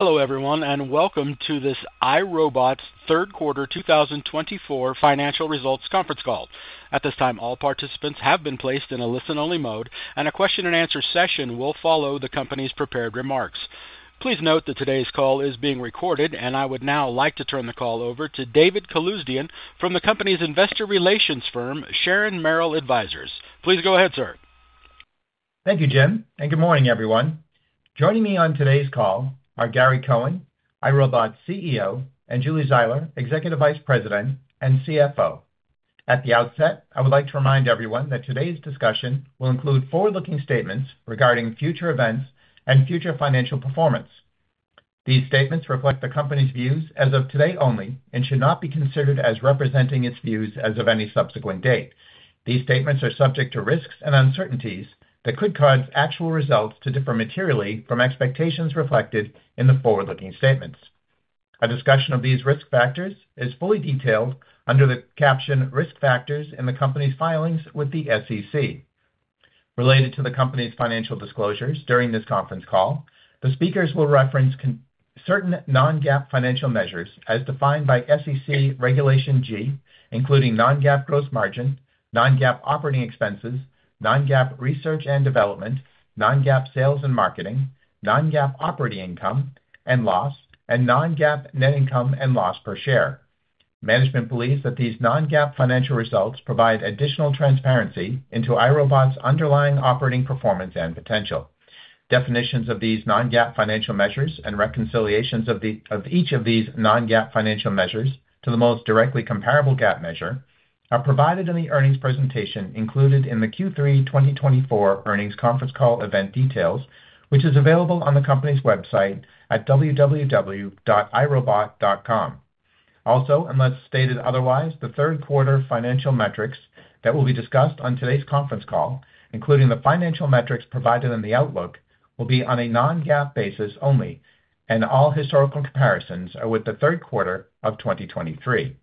Hello, everyone, and welcome to iRobot's third quarter 2024 financial results conference call. At this time, all participants have been placed in a listen-only mode, and a question-and-answer session will follow the company's prepared remarks. Please note that today's call is being recorded, and I would now like to turn the call over to David Calusdian from the company's investor relations firm, Sharon Merrill Advisors. Please go ahead, sir. Thank you, Jim, and good morning, everyone. Joining me on today's call are Gary Cohen, iRobot CEO, and Julie Zeiler, Executive Vice President and CFO. At the outset, I would like to remind everyone that today's discussion will include forward-looking statements regarding future events and future financial performance. These statements reflect the company's views as of today only and should not be considered as representing its views as of any subsequent date. These statements are subject to risks and uncertainties that could cause actual results to differ materially from expectations reflected in the forward-looking statements. A discussion of these risk factors is fully detailed under the caption "Risk Factors in the Company's Filings with the SEC." Related to the company's financial disclosures during this conference call, the speakers will reference certain non-GAAP financial measures as defined by SEC Regulation G, including non-GAAP gross margin, non-GAAP operating expenses, non-GAAP research and development, non-GAAP sales and marketing, non-GAAP operating income and loss, and non-GAAP net income and loss per share. Management believes that these non-GAAP financial results provide additional transparency into iRobot's underlying operating performance and potential. Definitions of these non-GAAP financial measures and reconciliations of each of these non-GAAP financial measures to the most directly comparable GAAP measure are provided in the earnings presentation included in the Q3 2024 earnings conference call event details, which is available on the company's website at www.irobot.com. Also, unless stated otherwise, the third quarter financial metrics that will be discussed on today's conference call, including the financial metrics provided in the outlook, will be on a Non-GAAP basis only, and all historical comparisons are with the third quarter of 2023.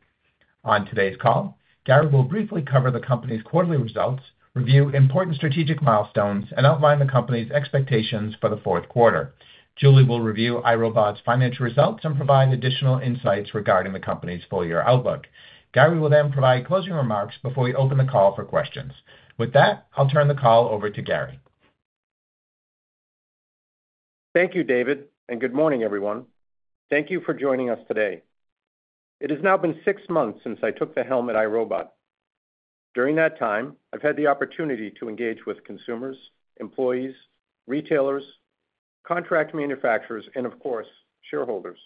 On today's call, Gary will briefly cover the company's quarterly results, review important strategic milestones, and outline the company's expectations for the fourth quarter. Julie will review iRobot's financial results and provide additional insights regarding the company's full-year outlook. Gary will then provide closing remarks before we open the call for questions. With that, I'll turn the call over to Gary. Thank you, David, and good morning, everyone. Thank you for joining us today. It has now been six months since I took the helm at iRobot. During that time, I've had the opportunity to engage with consumers, employees, retailers, contract manufacturers, and, of course, shareholders.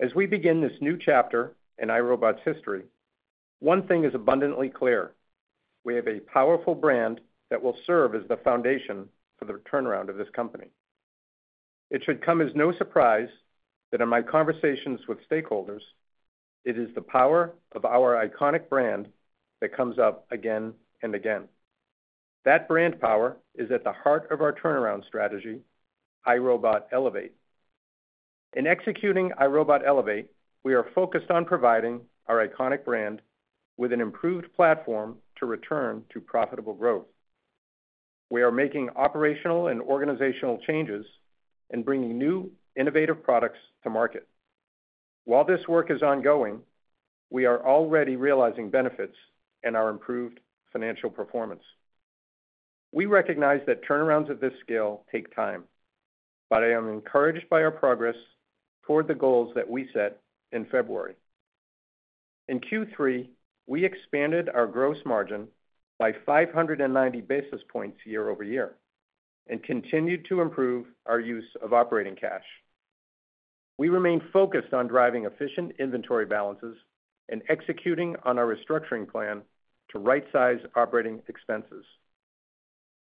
As we begin this new chapter in iRobot's history, one thing is abundantly clear: we have a powerful brand that will serve as the foundation for the turnaround of this company. It should come as no surprise that in my conversations with stakeholders, it is the power of our iconic brand that comes up again and again. That brand power is at the heart of our turnaround strategy, iRobot Elevate. In executing iRobot Elevate, we are focused on providing our iconic brand with an improved platform to return to profitable growth. We are making operational and organizational changes and bringing new, innovative products to market. While this work is ongoing, we are already realizing benefits in our improved financial performance. We recognize that turnarounds of this scale take time, but I am encouraged by our progress toward the goals that we set in February. In Q3, we expanded our gross margin by 590 basis points year over year and continued to improve our use of operating cash. We remain focused on driving efficient inventory balances and executing on our restructuring plan to right-size operating expenses.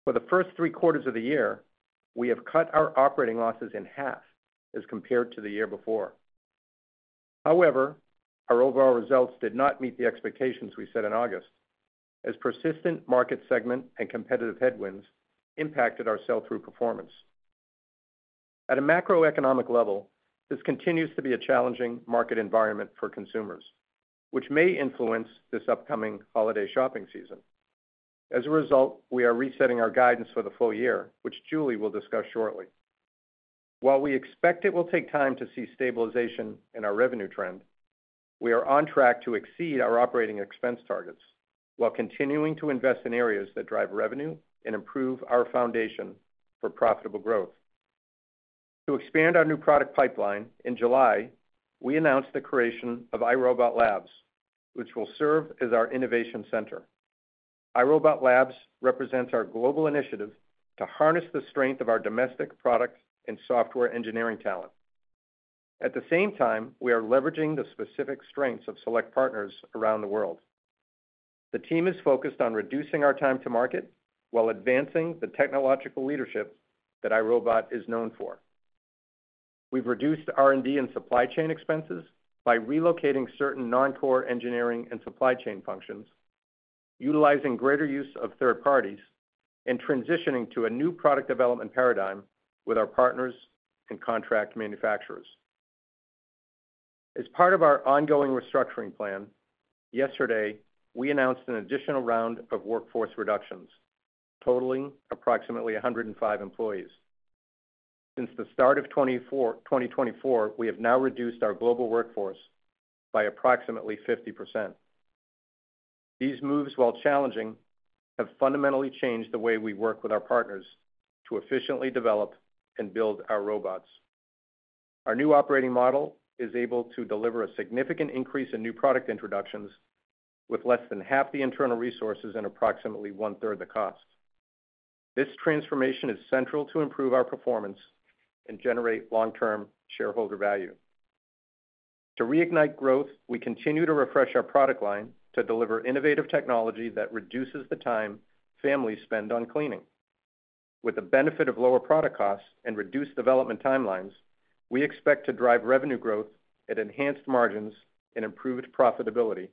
For the first three quarters of the year, we have cut our operating losses in half as compared to the year before. However, our overall results did not meet the expectations we set in August, as persistent market segment and competitive headwinds impacted our sell-through performance. At a macroeconomic level, this continues to be a challenging market environment for consumers, which may influence this upcoming holiday shopping season. As a result, we are resetting our guidance for the full year, which Julie will discuss shortly. While we expect it will take time to see stabilization in our revenue trend, we are on track to exceed our operating expense targets while continuing to invest in areas that drive revenue and improve our foundation for profitable growth. To expand our new product pipeline, in July, we announced the creation of iRobot Labs, which will serve as our innovation center. iRobot Labs represents our global initiative to harness the strength of our domestic product and software engineering talent. At the same time, we are leveraging the specific strengths of select partners around the world. The team is focused on reducing our time to market while advancing the technological leadership that iRobot is known for. We've reduced R&D and supply chain expenses by relocating certain non-core engineering and supply chain functions, utilizing greater use of third parties, and transitioning to a new product development paradigm with our partners and contract manufacturers. As part of our ongoing restructuring plan, yesterday, we announced an additional round of workforce reductions, totaling approximately 105 employees. Since the start of 2024, we have now reduced our global workforce by approximately 50%. These moves, while challenging, have fundamentally changed the way we work with our partners to efficiently develop and build our robots. Our new operating model is able to deliver a significant increase in new product introductions with less than half the internal resources and approximately one-third the cost. This transformation is central to improve our performance and generate long-term shareholder value. To reignite growth, we continue to refresh our product line to deliver innovative technology that reduces the time families spend on cleaning. With the benefit of lower product costs and reduced development timelines, we expect to drive revenue growth at enhanced margins and improved profitability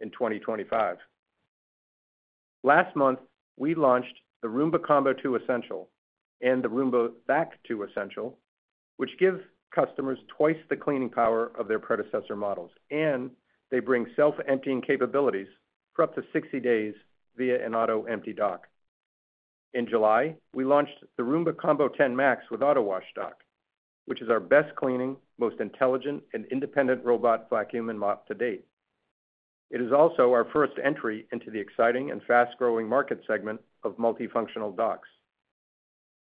in 2025. Last month, we launched the Roomba Combo 2 Essential and the Roomba Vac 2 Essential, which give customers twice the cleaning power of their predecessor models, and they bring self-emptying capabilities for up to 60 days via an Auto-Empty Dock. In July, we launched the Roomba Combo 10 Max with AutoWash Dock, which is our best cleaning, most intelligent, and independent robot vacuum and mop to date. It is also our first entry into the exciting and fast-growing market segment of multifunctional docks.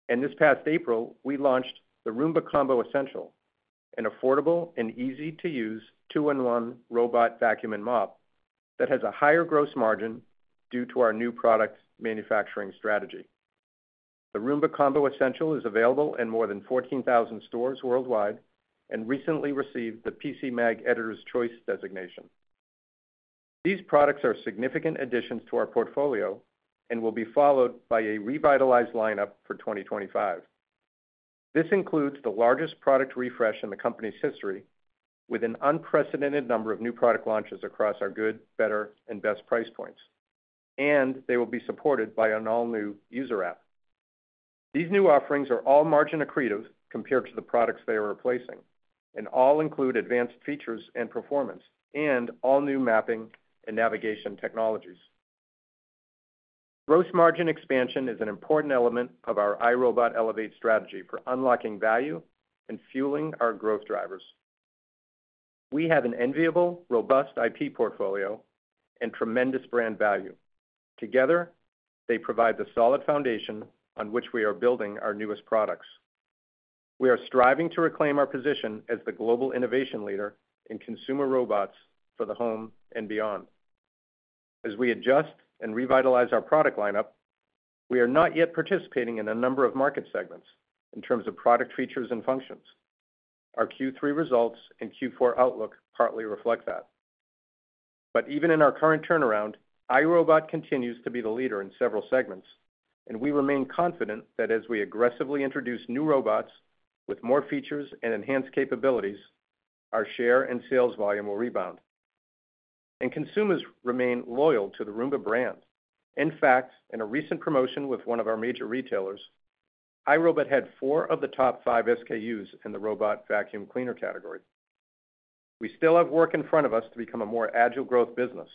And this past April, we launched the Roomba Combo Essential, an affordable and easy-to-use two-in-one robot vacuum and mop that has a higher gross margin due to our new product manufacturing strategy. The Roomba Combo Essential is available in more than 14,000 stores worldwide and recently received the PCMag Editors' Choice designation. These products are significant additions to our portfolio and will be followed by a revitalized lineup for 2025. This includes the largest product refresh in the company's history, with an unprecedented number of new product launches across our good, better, and best price points, and they will be supported by an all-new user app. These new offerings are all margin accretive compared to the products they are replacing and all include advanced features and performance and all-new mapping and navigation technologies. Gross margin expansion is an important element of our iRobot Elevate strategy for unlocking value and fueling our growth drivers. We have an enviable, robust IP portfolio and tremendous brand value. Together, they provide the solid foundation on which we are building our newest products. We are striving to reclaim our position as the global innovation leader in consumer robots for the home and beyond. As we adjust and revitalize our product lineup, we are not yet participating in a number of market segments in terms of product features and functions. Our Q3 results and Q4 outlook partly reflect that. But even in our current turnaround, iRobot continues to be the leader in several segments, and we remain confident that as we aggressively introduce new robots with more features and enhanced capabilities, our share and sales volume will rebound. And consumers remain loyal to the Roomba brand. In fact, in a recent promotion with one of our major retailers, iRobot had four of the top five SKUs in the robot vacuum cleaner category. We still have work in front of us to become a more agile growth business,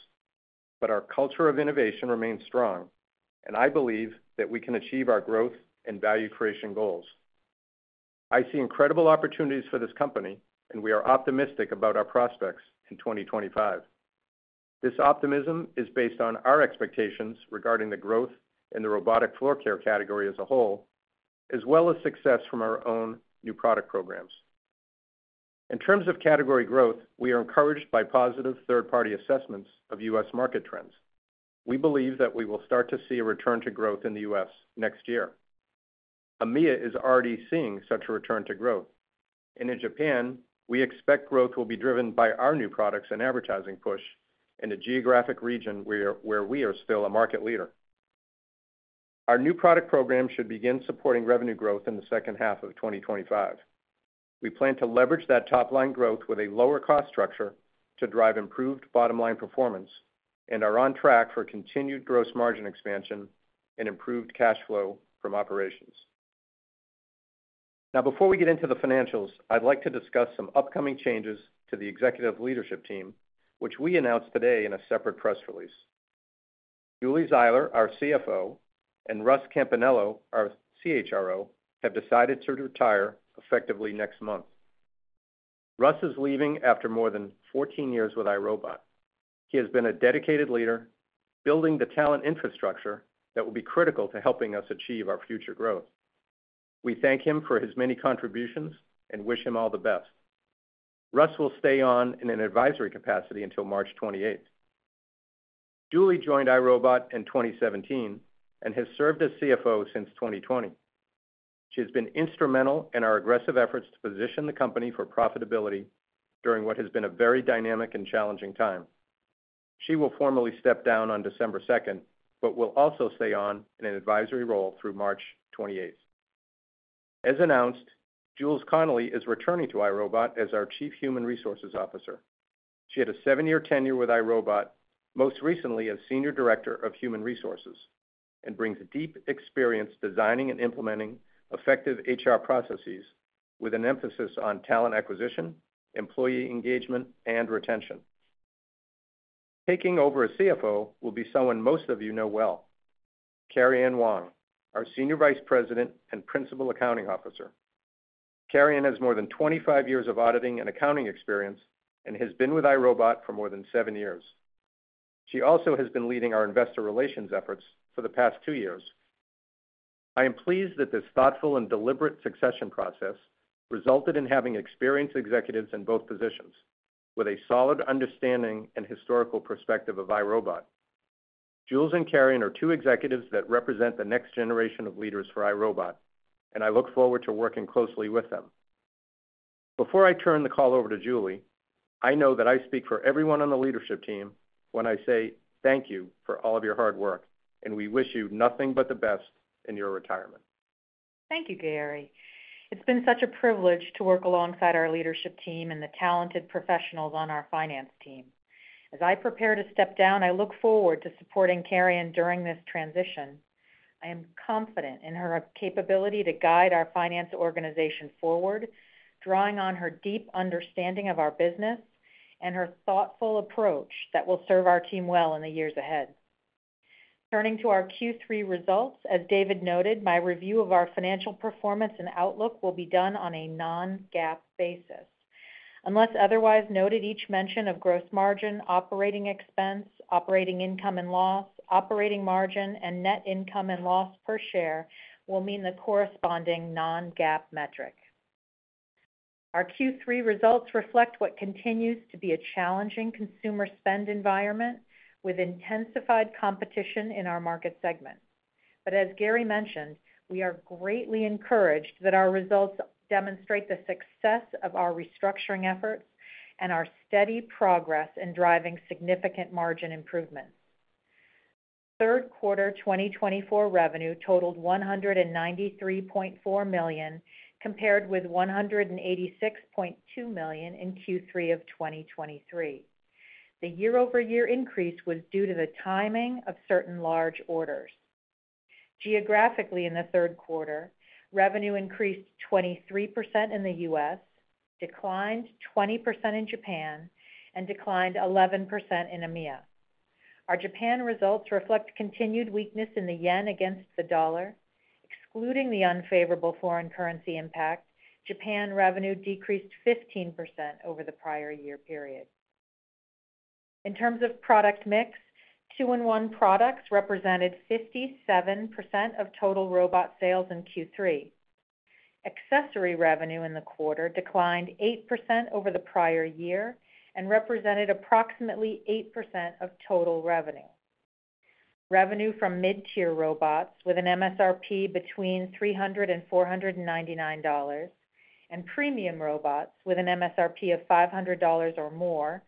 but our culture of innovation remains strong, and I believe that we can achieve our growth and value creation goals. I see incredible opportunities for this company, and we are optimistic about our prospects in 2025. This optimism is based on our expectations regarding the growth in the robotic floor care category as a whole, as well as success from our own new product programs. In terms of category growth, we are encouraged by positive third-party assessments of U.S. market trends. We believe that we will start to see a return to growth in the U.S. next year. EMEA is already seeing such a return to growth. In Japan, we expect growth will be driven by our new products and advertising push in a geographic region where we are still a market leader. Our new product program should begin supporting revenue growth in the second half of 2025. We plan to leverage that top-line growth with a lower cost structure to drive improved bottom-line performance and are on track for continued gross margin expansion and improved cash flow from operations. Now, before we get into the financials, I'd like to discuss some upcoming changes to the executive leadership team, which we announced today in a separate press release. Julie Zeiler, our CFO, and Russ Campanello, our CHRO, have decided to retire effectively next month. Russ is leaving after more than 14 years with iRobot. He has been a dedicated leader, building the talent infrastructure that will be critical to helping us achieve our future growth. We thank him for his many contributions and wish him all the best. Russ will stay on in an advisory capacity until March 28th. Julie joined iRobot in 2017 and has served as CFO since 2020. She has been instrumental in our aggressive efforts to position the company for profitability during what has been a very dynamic and challenging time. She will formally step down on December 2nd, but will also stay on in an advisory role through March 28th. As announced, Jules Connolly is returning to iRobot as our Chief Human Resources Officer. She had a seven-year tenure with iRobot, most recently as Senior Director of Human Resources, and brings deep experience designing and implementing effective HR processes with an emphasis on talent acquisition, employee engagement, and retention. Taking over as CFO will be someone most of you know well, Karian Wong, our Senior Vice President and Principal Accounting Officer. Karian has more than 25 years of auditing and accounting experience and has been with iRobot for more than seven years. She also has been leading our investor relations efforts for the past two years. I am pleased that this thoughtful and deliberate succession process resulted in having experienced executives in both positions with a solid understanding and historical perspective of iRobot. Jules and Karian are two executives that represent the next generation of leaders for iRobot, and I look forward to working closely with them. Before I turn the call over to Julie, I know that I speak for everyone on the leadership team when I say thank you for all of your hard work, and we wish you nothing but the best in your retirement. Thank you, Gary. It's been such a privilege to work alongside our leadership team and the talented professionals on our finance team. As I prepare to step down, I look forward to supporting Karian during this transition. I am confident in her capability to guide our finance organization forward, drawing on her deep understanding of our business and her thoughtful approach that will serve our team well in the years ahead. Turning to our Q3 results, as David noted, my review of our financial performance and outlook will be done on a non-GAAP basis. Unless otherwise noted, each mention of gross margin, operating expense, operating income and loss, operating margin, and net income and loss per share will mean the corresponding non-GAAP metric. Our Q3 results reflect what continues to be a challenging consumer spend environment with intensified competition in our market segment. But as Gary mentioned, we are greatly encouraged that our results demonstrate the success of our restructuring efforts and our steady progress in driving significant margin improvements. Third quarter 2024 revenue totaled $193.4 million compared with $186.2 million in Q3 of 2023. The year-over-year increase was due to the timing of certain large orders. Geographically, in the third quarter, revenue increased 23% in the U.S., declined 20% in Japan, and declined 11% in EMEA. Our Japan results reflect continued weakness in the yen against the dollar. Excluding the unfavorable foreign currency impact, Japan revenue decreased 15% over the prior year period. In terms of product mix, two-in-one products represented 57% of total robot sales in Q3. Accessory revenue in the quarter declined 8% over the prior year and represented approximately 8% of total revenue. Revenue from mid-tier robots with an MSRP between $300-$499 and premium robots with an MSRP of $500 or more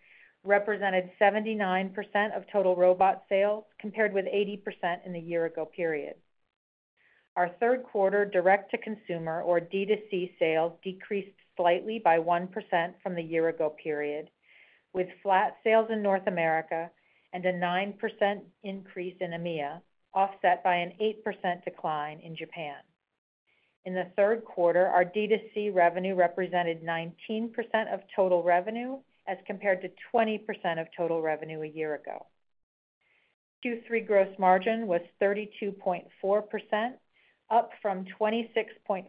represented 79% of total robot sales compared with 80% in the year-ago period. Our third quarter direct-to-consumer or D2C sales decreased slightly by 1% from the year-ago period, with flat sales in North America and a 9% increase in EMEA, offset by an 8% decline in Japan. In the third quarter, our D2C revenue represented 19% of total revenue as compared to 20% of total revenue a year ago. Q3 gross margin was 32.4%, up from 26.5%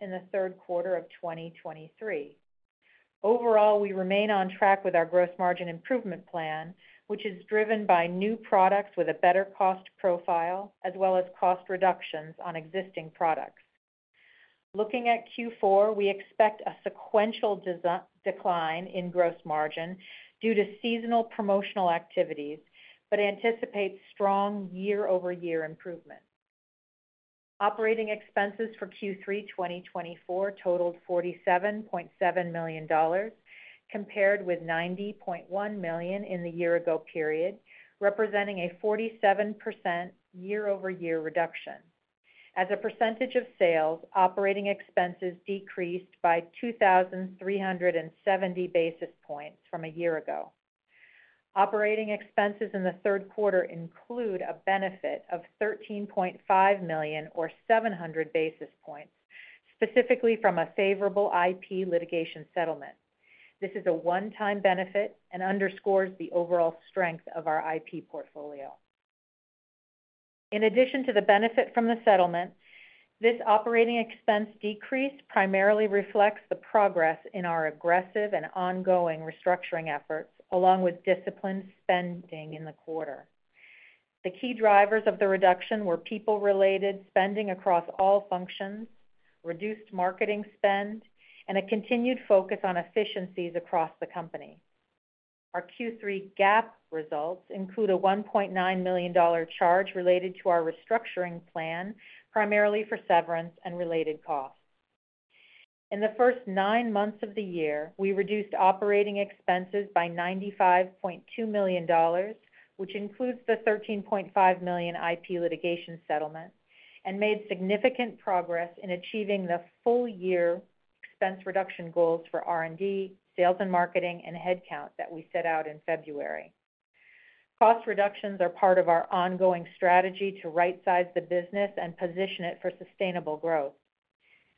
in the third quarter of 2023. Overall, we remain on track with our gross margin improvement plan, which is driven by new products with a better cost profile as well as cost reductions on existing products. Looking at Q4, we expect a sequential decline in gross margin due to seasonal promotional activities, but anticipate strong year-over-year improvement. Operating expenses for Q3 2024 totaled $47.7 million compared with $90.1 million in the year-ago period, representing a 47% year-over-year reduction. As a percentage of sales, operating expenses decreased by 2,370 basis points from a year ago. Operating expenses in the third quarter include a benefit of $13.5 million or 700 basis points, specifically from a favorable IP litigation settlement. This is a one-time benefit and underscores the overall strength of our IP portfolio. In addition to the benefit from the settlement, this operating expense decrease primarily reflects the progress in our aggressive and ongoing restructuring efforts, along with disciplined spending in the quarter. The key drivers of the reduction were people-related spending across all functions, reduced marketing spend, and a continued focus on efficiencies across the company. Our Q3 GAAP results include a $1.9 million charge related to our restructuring plan, primarily for severance and related costs. In the first nine months of the year, we reduced operating expenses by $95.2 million, which includes the $13.5 million IP litigation settlement, and made significant progress in achieving the full-year expense reduction goals for R&D, sales and marketing, and headcount that we set out in February. Cost reductions are part of our ongoing strategy to right-size the business and position it for sustainable growth.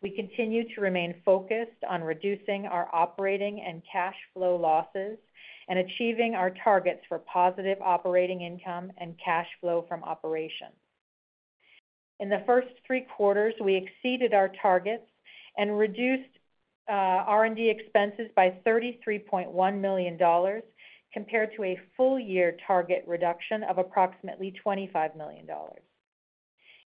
We continue to remain focused on reducing our operating and cash flow losses and achieving our targets for positive operating income and cash flow from operations. In the first three quarters, we exceeded our targets and reduced R&D expenses by $33.1 million compared to a full-year target reduction of approximately $25 million.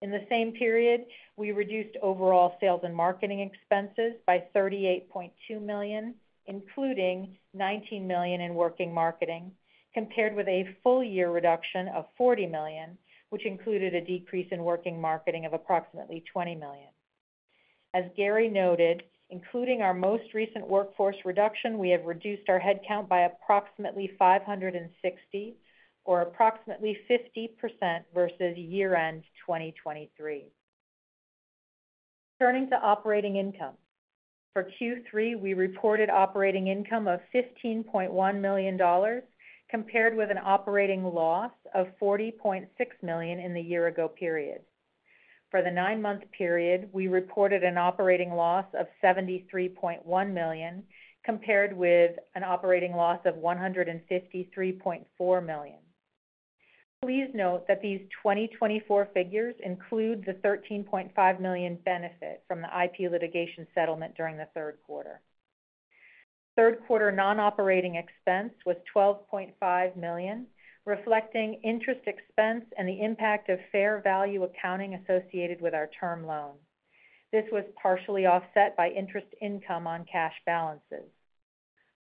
In the same period, we reduced overall sales and marketing expenses by $38.2 million, including $19 million in working marketing, compared with a full-year reduction of $40 million, which included a decrease in working marketing of approximately $20 million. As Gary noted, including our most recent workforce reduction, we have reduced our headcount by approximately 560 or approximately 50% versus year-end 2023. Turning to operating income, for Q3, we reported operating income of $15.1 million compared with an operating loss of $40.6 million in the year-ago period. For the nine-month period, we reported an operating loss of $73.1 million compared with an operating loss of $153.4 million. Please note that these 2024 figures include the $13.5 million benefit from the IP litigation settlement during the third quarter. Our third quarter non-operating expense was $12.5 million, reflecting interest expense and the impact of fair value accounting associated with our term loan. This was partially offset by interest income on cash balances.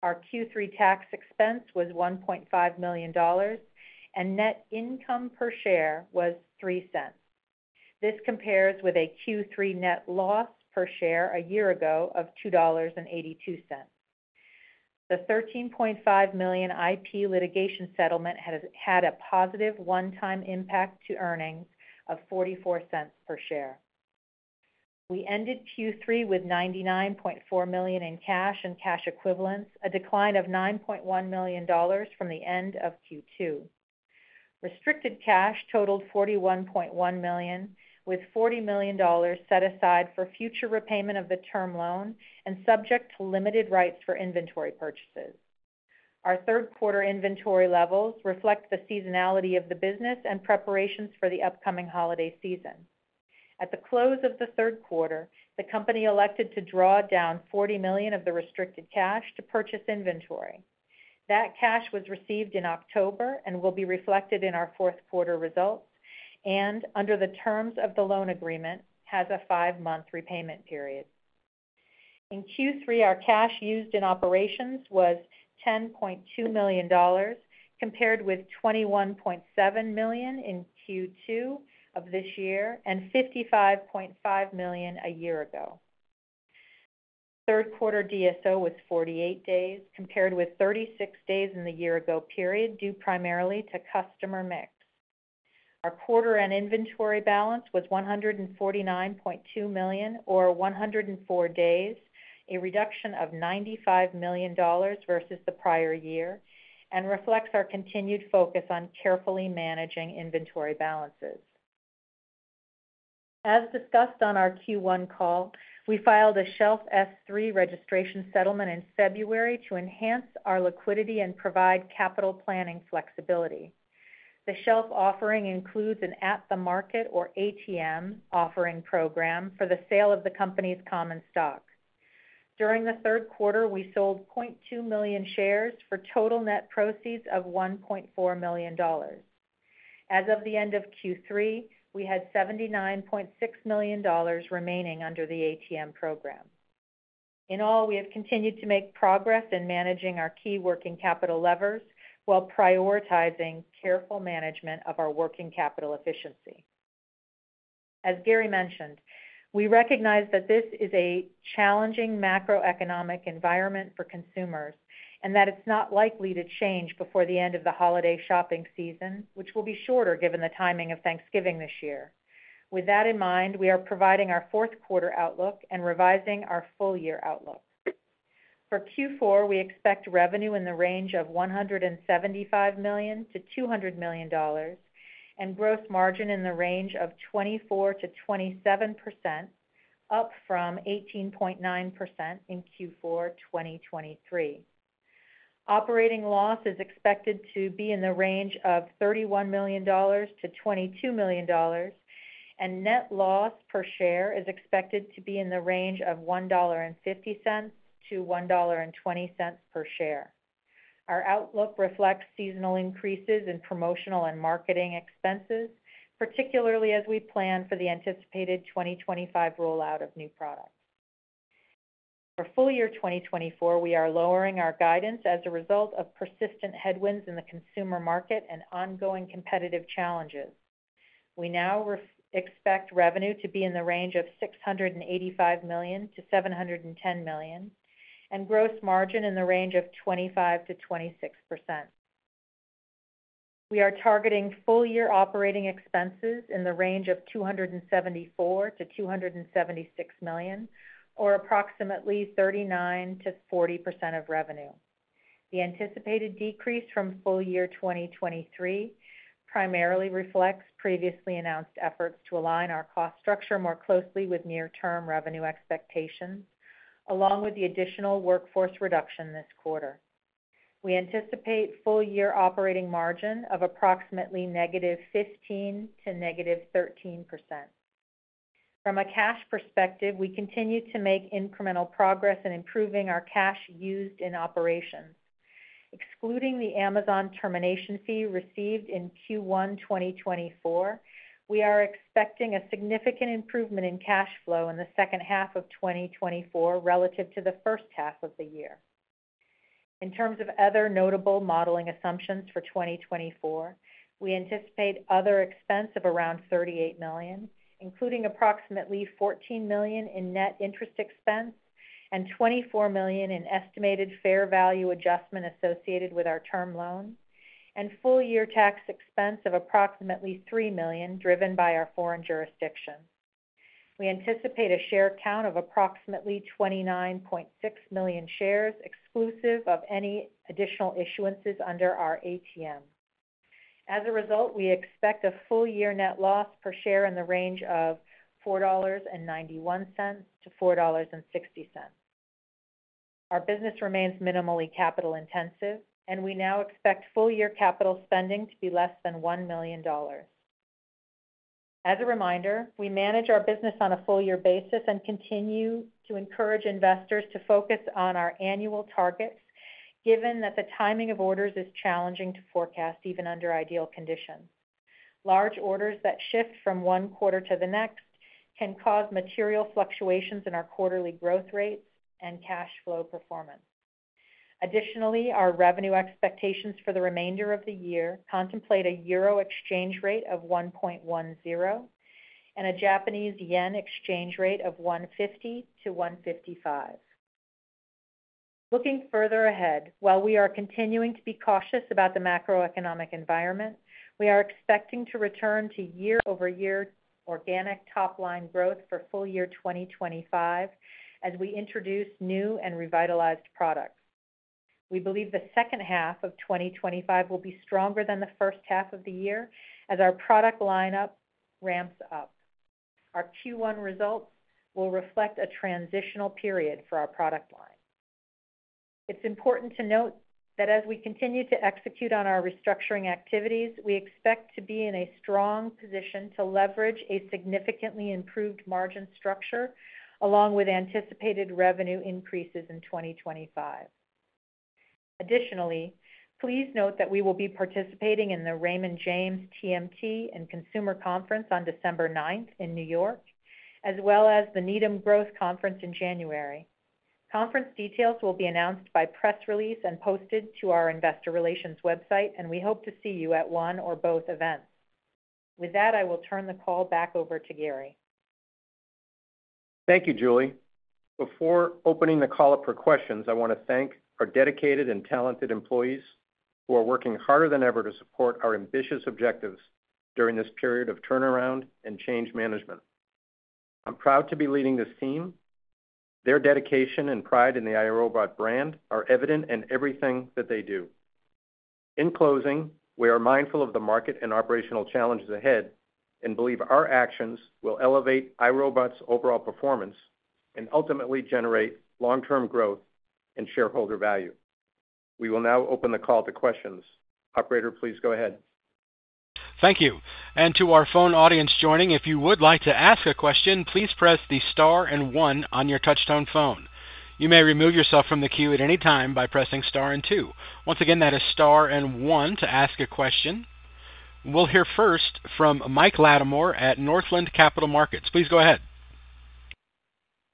Our Q3 tax expense was $1.5 million, and net income per share was $0.03. This compares with a Q3 net loss per share a year ago of $2.82. The $13.5 million IP litigation settlement had a positive one-time impact to earnings of $0.44 per share. We ended Q3 with $99.4 million in cash and cash equivalents, a decline of $9.1 million from the end of Q2. Restricted cash totaled $41.1 million, with $40 million set aside for future repayment of the term loan and subject to limited rights for inventory purchases. Our third quarter inventory levels reflect the seasonality of the business and preparations for the upcoming holiday season. At the close of the third quarter, the company elected to draw down $40 million of the restricted cash to purchase inventory. That cash was received in October and will be reflected in our fourth quarter results and, under the terms of the loan agreement, has a five-month repayment period. In Q3, our cash used in operations was $10.2 million compared with $21.7 million in Q2 of this year and $55.5 million a year ago. Third quarter DSO was 48 days, compared with 36 days in the year-ago period due primarily to customer mix. Our quarter-end inventory balance was $149.2 million or 104 days, a reduction of $95 million versus the prior year, and reflects our continued focus on carefully managing inventory balances. As discussed on our Q1 call, we filed a Shelf S-3 registration statement in February to enhance our liquidity and provide capital planning flexibility. The Shelf offering includes an at-the-market or ATM offering program for the sale of the company's common stock. During the third quarter, we sold 0.2 million shares for total net proceeds of $1.4 million. As of the end of Q3, we had $79.6 million remaining under the ATM program. In all, we have continued to make progress in managing our key working capital levers while prioritizing careful management of our working capital efficiency. As Gary mentioned, we recognize that this is a challenging macroeconomic environment for consumers and that it's not likely to change before the end of the holiday shopping season, which will be shorter given the timing of Thanksgiving this year. With that in mind, we are providing our fourth quarter outlook and revising our full-year outlook. For Q4, we expect revenue in the range of $175 million-$200 million and gross margin in the range of 24%-27%, up from 18.9% in Q4 2023. Operating loss is expected to be in the range of $31 million-$22 million, and net loss per share is expected to be in the range of $1.50-$1.20 per share. Our outlook reflects seasonal increases in promotional and marketing expenses, particularly as we plan for the anticipated 2025 rollout of new products. For full-year 2024, we are lowering our guidance as a result of persistent headwinds in the consumer market and ongoing competitive challenges. We now expect revenue to be in the range of $685 million-$710 million and gross margin in the range of 25%-26%. We are targeting full-year operating expenses in the range of $274 million-$276 million, or approximately 39%-40% of revenue. The anticipated decrease from full-year 2023 primarily reflects previously announced efforts to align our cost structure more closely with near-term revenue expectations, along with the additional workforce reduction this quarter. We anticipate full-year operating margin of approximately negative 15% to negative 13%. From a cash perspective, we continue to make incremental progress in improving our cash used in operations. Excluding the Amazon termination fee received in Q1 2024, we are expecting a significant improvement in cash flow in the second half of 2024 relative to the first half of the year. In terms of other notable modeling assumptions for 2024, we anticipate other expense of around $38 million, including approximately $14 million in net interest expense and $24 million in estimated fair value adjustment associated with our term loan, and full-year tax expense of approximately $3 million driven by our foreign jurisdiction. We anticipate a share count of approximately 29.6 million shares exclusive of any additional issuances under our ATM. As a result, we expect a full-year net loss per share in the range of $4.91-$4.60. Our business remains minimally capital-intensive, and we now expect full-year capital spending to be less than $1 million. As a reminder, we manage our business on a full-year basis and continue to encourage investors to focus on our annual targets, given that the timing of orders is challenging to forecast even under ideal conditions. Large orders that shift from one quarter to the next can cause material fluctuations in our quarterly growth rates and cash flow performance. Additionally, our revenue expectations for the remainder of the year contemplate a euro exchange rate of 1.10 and a Japanese yen exchange rate of 150-155. Looking further ahead, while we are continuing to be cautious about the macroeconomic environment, we are expecting to return to year-over-year organic top-line growth for full-year 2025 as we introduce new and revitalized products. We believe the second half of 2025 will be stronger than the first half of the year as our product lineup ramps up. Our Q1 results will reflect a transitional period for our product line. It's important to note that as we continue to execute on our restructuring activities, we expect to be in a strong position to leverage a significantly improved margin structure along with anticipated revenue increases in 2025. Additionally, please note that we will be participating in the Raymond James TMT and Consumer Conference on December 9th in New York, as well as the Needham Growth Conference in January. Conference details will be announced by press release and posted to our investor relations website, and we hope to see you at one or both events. With that, I will turn the call back over to Gary. Thank you, Julie. Before opening the call up for questions, I want to thank our dedicated and talented employees who are working harder than ever to support our ambitious objectives during this period of turnaround and change management. I'm proud to be leading this team. Their dedication and pride in the iRobot brand are evident in everything that they do. In closing, we are mindful of the market and operational challenges ahead and believe our actions will elevate iRobot's overall performance and ultimately generate long-term growth and shareholder value. We will now open the call to questions. Operator, please go ahead. Thank you. And to our phone audience joining, if you would like to ask a question, please press star and one on your touch-tone phone. You may remove yourself from the queue at any time by pressing star and two. Once again, that is star and one to ask a question. We'll hear first from Mike Latimore at Northland Capital Markets. Please go ahead.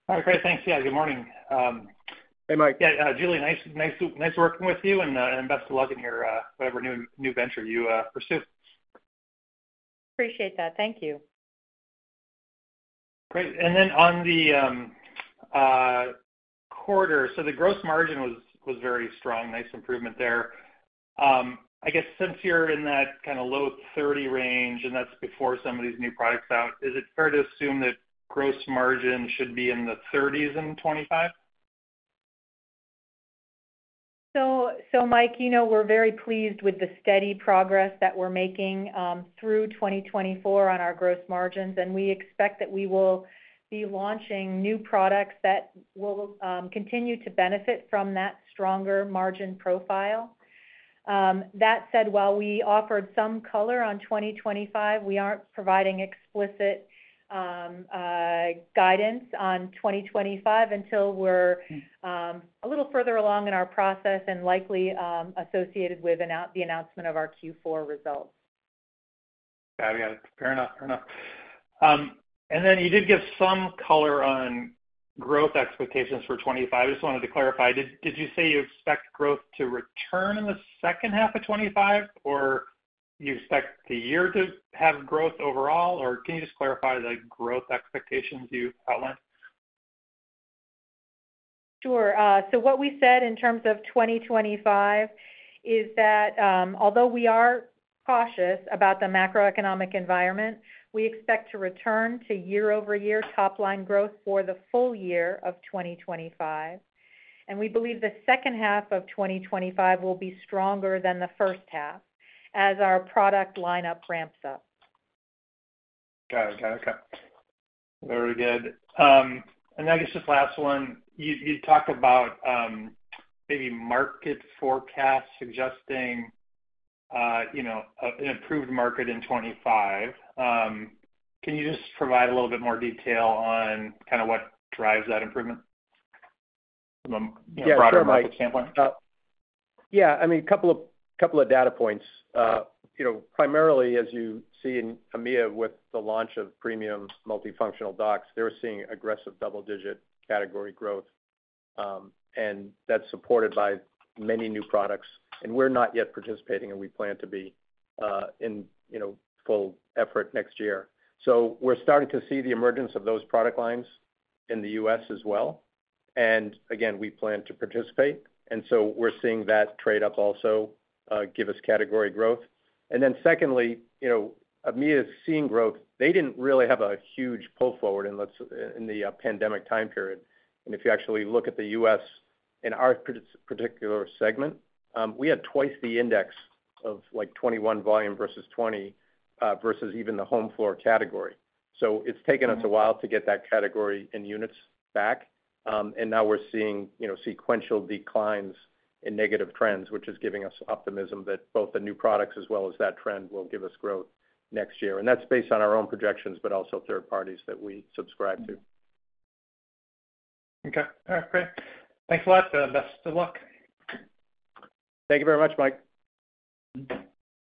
Hi, Gary. Thanks. Yeah, good morning. Hey, Mike. Yeah, Julie, nice working with you and best of luck in whatever new venture you pursue. Appreciate that. Thank you. Great. And then on the quarter, so the gross margin was very strong. Nice improvement there. I guess since you're in that kind of low 30 range, and that's before some of these new products out, is it fair to assume that gross margin should be in the 30s and 25? So, Mike, we're very pleased with the steady progress that we're making through 2024 on our gross margins, and we expect that we will be launching new products that will continue to benefit from that stronger margin profile. That said, while we offered some color on 2025, we aren't providing explicit guidance on 2025 until we're a little further along in our process and likely associated with the announcement of our Q4 results. Fabulous. Fair enough. Fair enough. And then you did give some color on growth expectations for 2025. I just wanted to clarify. Did you say you expect growth to return in the second half of 2025, or you expect the year to have growth overall, or can you just clarify the growth expectations you outlined? Sure. So what we said in terms of 2025 is that although we are cautious about the macroeconomic environment, we expect to return to year-over-year top-line growth for the full year of 2025. And we believe the second half of 2025 will be stronger than the first half as our product lineup ramps up. Got it. Got it. Okay. Very good. And I guess just last one, you talked about maybe market forecasts suggesting an improved market in 2025. Can you just provide a little bit more detail on kind of what drives that improvement from a broader market standpoint? Yeah. I mean, a couple of data points. Primarily, as you see in EMEA with the launch of premium multifunctional docks, they're seeing aggressive double-digit category growth, and that's supported by many new products. And we're not yet participating, and we plan to be in full effort next year. So we're starting to see the emergence of those product lines in the U.S. as well. And again, we plan to participate. And so we're seeing that trade-off also give us category growth. And then secondly, EMEA is seeing growth. They didn't really have a huge pull forward in the pandemic time period. And if you actually look at the U.S. in our particular segment, we had twice the index of like 2021 volume versus 2020 versus even the home floor category. So it's taken us a while to get that category in units back. And now we're seeing sequential declines in negative trends, which is giving us optimism that both the new products as well as that trend will give us growth next year. And that's based on our own projections, but also third parties that we subscribe to. Okay. All right. Great. Thanks a lot. Best of luck. Thank you very much, Mike.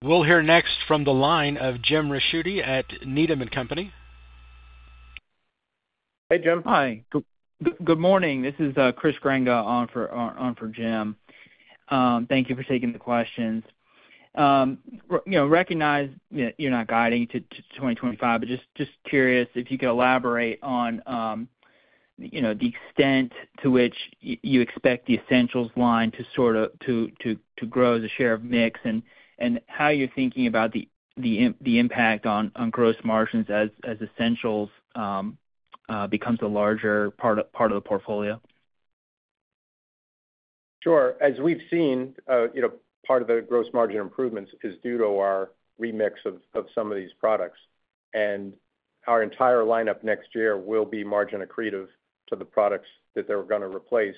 We'll hear next from the line of Jim Ricchiuti at Needham & Company. Hey, Jim. Hi. Good morning. This is Chris Grenga on for Jim. Thank you for taking the questions. Recognize you're not guiding to 2025, but just curious if you could elaborate on the extent to which you expect the essentials line to grow as a share of mix and how you're thinking about the impact on gross margins as essentials becomes a larger part of the portfolio. Sure. As we've seen, part of the gross margin improvements is due to our remix of some of these products, and our entire lineup next year will be margin accretive to the products that they're going to replace.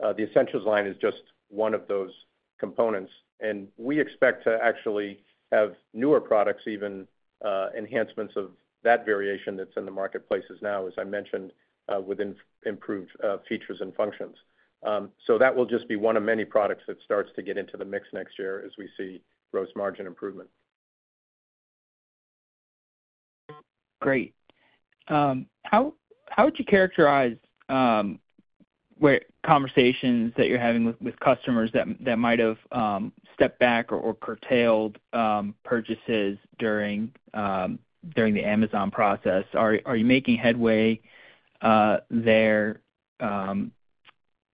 The essentials line is just one of those components. And we expect to actually have newer products, even enhancements of that variation that's in the marketplaces now, as I mentioned, with improved features and functions. So that will just be one of many products that starts to get into the mix next year as we see gross margin improvement. Great. How would you characterize conversations that you're having with customers that might have stepped back or curtailed purchases during the Amazon process? Are you making headway there?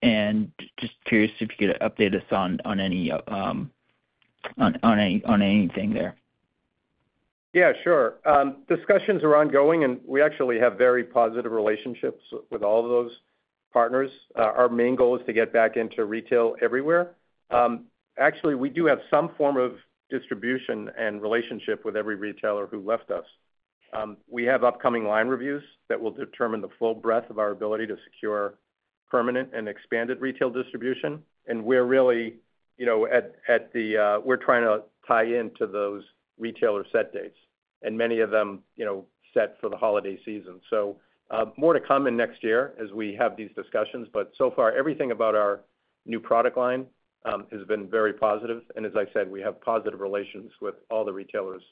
And just curious if you could update us on anything there. Yeah, sure. Discussions are ongoing, and we actually have very positive relationships with all of those partners. Our main goal is to get back into retail everywhere. Actually, we do have some form of distribution and relationship with every retailer who left us. We have upcoming line reviews that will determine the full breadth of our ability to secure permanent and expanded retail distribution. And we're really trying to tie into those retailer set dates, and many of them set for the holiday season. So more to come in next year as we have these discussions, but so far, everything about our new product line has been very positive. And as I said, we have positive relations with all the retailers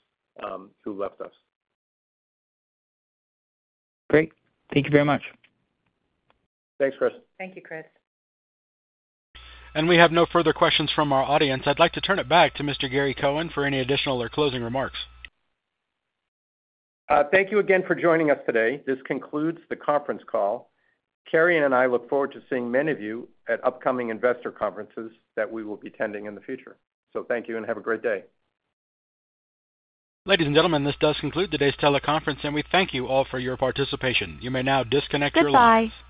who left us. Great. Thank you very much. Thanks, Chris. Thank you, Chris. And we have no further questions from our audience. I'd like to turn it back to Mr. Gary Cohen for any additional or closing remarks. Thank you again for joining us today. This concludes the conference call. Karian and I look forward to seeing many of you at upcoming investor conferences that we will be attending in the future. So thank you and have a great day. Ladies and gentlemen, this does conclude today's teleconference, and we thank you all for your participation. You may now disconnect your line. Goodbye.